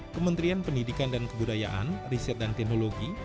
kementerian pendidikan dan kebudayaan riset dan teknologi